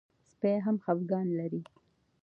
سپي هم خپګان لري.